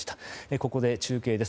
ここで中継です。